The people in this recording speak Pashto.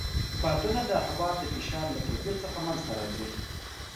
بادونه د هوا د فشار له توپیر څخه منځته راځي.